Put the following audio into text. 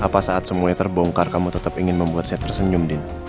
apa saat semuanya terbongkar kamu tetap ingin membuat saya tersenyum din